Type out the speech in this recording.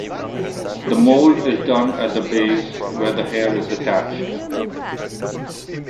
The mold is done at the base where the hair is attached.